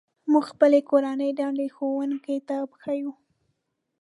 موږ خپلې کورنۍ دندې ښوونکي ته ښيو.